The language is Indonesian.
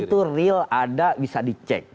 itu real ada bisa dicek